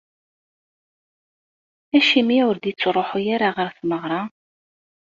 Acimi ur d-ittruḥu ara ɣer tmeɣra?